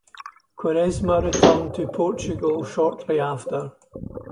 Quaresma returned to Portugal shortly after.